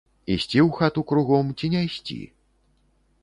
Ісці ў хату кругом ці не ісці.